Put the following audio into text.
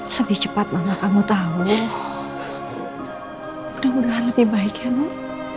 lebih cepat mama kamu tahu mudah mudahan lebih baik ya nuh